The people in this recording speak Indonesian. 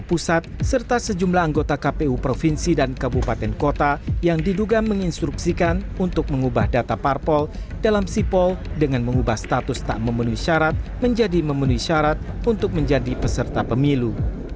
pusat serta sejumlah anggota kpu provinsi dan kabupaten kota yang diduga menginstruksikan untuk mengubah data parpol dalam sipol dengan mengubah status tak memenuhi syarat menjadi memenuhi syarat untuk menjadi peserta pemilu